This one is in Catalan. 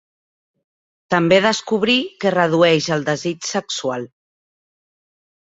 També descobrí que redueix el desig sexual.